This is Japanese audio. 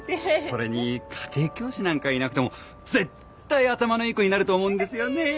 それに家庭教師なんかいなくても絶対頭のいい子になると思うんですよねぇ